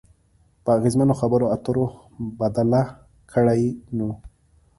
په اغیزمنو خبرو اترو بدله کړئ نو